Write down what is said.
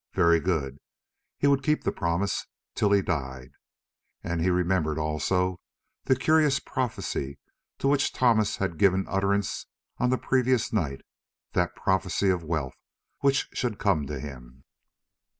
Very good, he would keep the promise—till he died. And he remembered also that curious prophecy to which Thomas had given utterance on the previous night, that prophecy of wealth which should come to him.